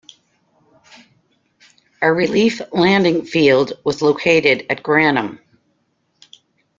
A relief landing field was located at Granum.